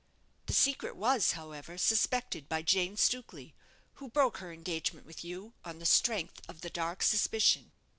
That secret was, however, suspected by Jane Stukely, who broke her engagement with you on the strength of the dark suspicion.